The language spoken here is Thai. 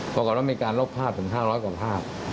พวกเขาแล้วมีการลบภาพถึง๕๐๐กว่าภาพ